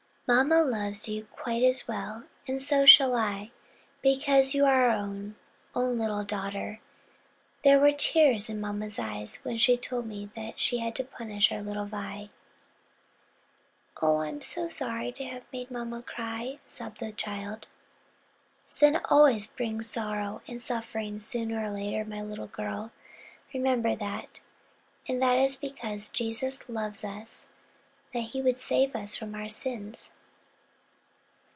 "Mamma loves you quite as well, and so shall I; because you are our own, own little daughter. There were tears in mamma's eyes when she told me that she had had to punish our little Vi." "Oh I'm so sorry to have made mamma cry," sobbed the child. "Sin always brings sorrow and suffering sooner or later, my little girl; remember that; and that it is because Jesus loves us that he would save us from our sins."